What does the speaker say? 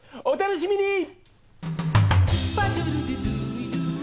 お楽しみに！